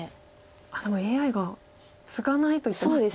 あっでもＡＩがツガないと言ってますね。